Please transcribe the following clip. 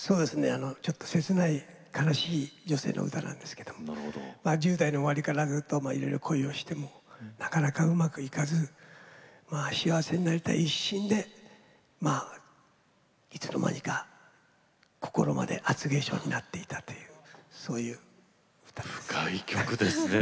ちょっと切ない悲しい女性の歌なんですけれど１０代の終わりから恋をしてもなかなかうまくいかず幸せになりたい一心でいつの間にか、心まで厚化粧になっていたというそういう歌です。